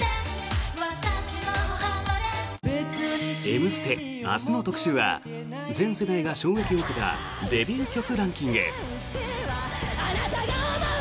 「Ｍステ」、明日の特集は全世代が衝撃を受けたデビュー曲ランキング。